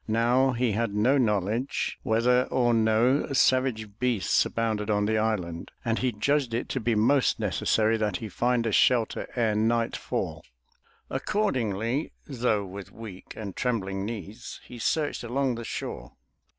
Now he had no knowledge whether or no savage beasts abounded on the island, and he judged it to be most necessary that he find a shelter ere nightfall. Accordingly, though with weak and trembling knees, he searched along the shore.